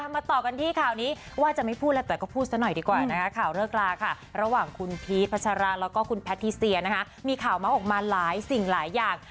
มาต่อกันที่ข่าวนี้ว่าจะไม่พูดอะไรแต่ก็พูดซะหน่อยดีกว่านะคะข่าวเลิกลาค่ะระหว่างคุณพีชพัชราแล้วก็คุณแพทิเซียนะคะมีข่าวเมาส์ออกมาหลายสิ่งหลายอย่าง